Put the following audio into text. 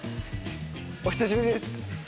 お久しぶりです。